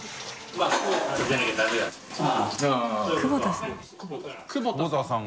△繊久保田さん？